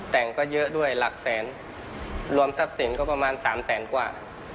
แต่งก็เยอะด้วยหลักแสนรวมทรัพย์สินก็ประมาณสามแสนกว่า